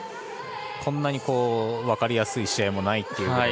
こんなに分かりやすい試合もないという。